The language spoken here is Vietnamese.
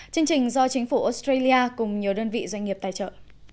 chương trình do chính phủ australia cùng nhiều đơn vị doanh nghiệp tài trợ